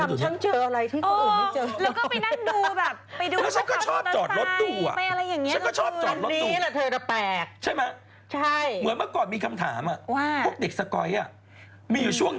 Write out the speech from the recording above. มดดำฉันเจออะไรที่เขาอื่นไม่เจอ